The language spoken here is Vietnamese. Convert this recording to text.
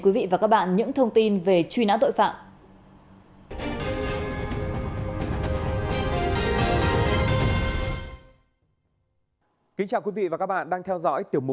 quý vị và các bạn những thông tin về truy nã tội phạm